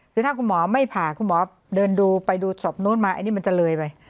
คือถ้าคุณหมอไม่ผ่าคุณหมอเดินดูไปดูศพนู้นมาอันนี้มันจะเลยไป